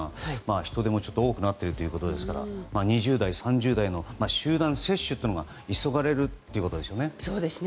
人出も多くなっているということですから２０代、３０代の集団接種が急がれるということですね。